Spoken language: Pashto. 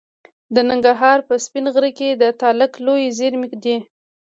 د ننګرهار په سپین غر کې د تالک لویې زیرمې دي.